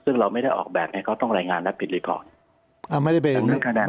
ซึ่งเราไม่ได้ออกแบบให้เขาต้องรายงานและปิดรีปอร์ต